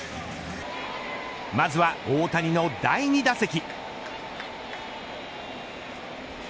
まずは大谷の第２打席。